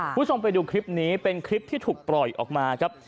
คุณพี่ซมไปดูคริปนี้ที่ถูกปล่อยกันมานะครับ